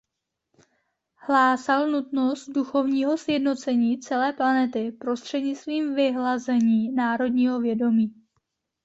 Hlásal nutnost duchovního sjednocení celé planety prostřednictvím vyhlazení národního vědomí.